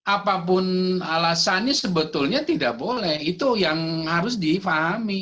apapun alasannya sebetulnya tidak boleh itu yang harus difahami